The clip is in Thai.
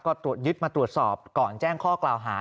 ก็ตรวจยึดมาตรวจสอบก่อนแจ้งข้อกล่าวหา